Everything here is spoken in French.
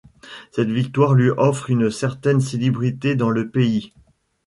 Cette victoire lui offre une certaine célébrité dans le pays.